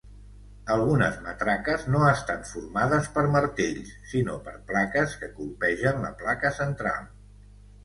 Algunes matraques no estan formades per martells sinó per plaques que colpegen la placa central.